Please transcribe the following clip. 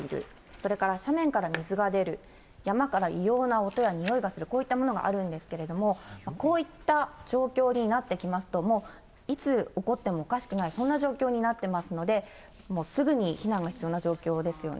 それから斜面から水が出る、山から異様な音やにおいがする、こういったものがあるんですけれども、こういった状況になってきますと、もう、いつ起こってもおかしくない、そんな状況になっていますので、もうすぐに避難が必要な状況ですよね。